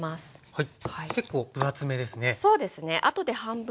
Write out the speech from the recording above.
はい。